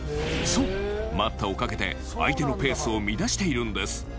そう、待ったをかけて相手のペースを乱しているんです。